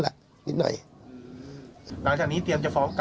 หลังจากนี้เตรียมจะฟ้องกลับไหมพี่